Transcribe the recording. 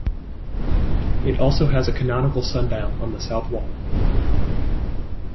It also has a canonical sundial on the south wall.